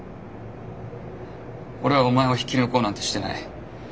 俺はお前を引き抜こうなんてしてない。